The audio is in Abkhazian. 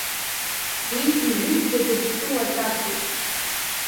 Уи ижәытәӡатәиу ԥсыуа ҵасуп.